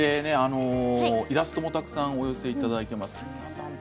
イラストもたくさんお寄せいただいています。